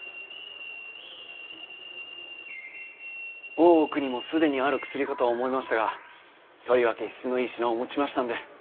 大奥にも既にある薬かとは思いましたがとりわけ質のいい品をお持ちしましたので。